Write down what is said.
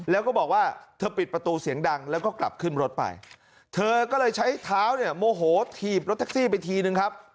แล้วก็บอกว่าเธอปิดประตูเสียงดังแล้วก็กลับขึ้นรถไปเธอก็เลยใช้เท้าเนี่ยโมโหถีบรถแท็กซี่ไปทีนึงครับ